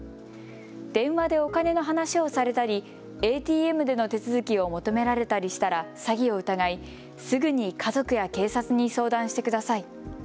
電話でお金の話をされたりＡＴＭでの手続きを求められたりしたら詐欺を疑い、すぐに家族や警察に相談してください。